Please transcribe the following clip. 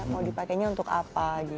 mau dipakainya untuk apa